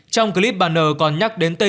trong clip bà n còn nhắc đến tình huyện